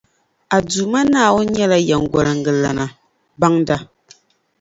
A Duuma Naawuni nyɛla Yεmgoliŋgalana, Baŋda.